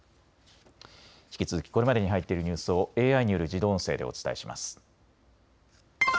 引き続きこれまでに入っているニュースをＡＩによる自動音声でお伝えします。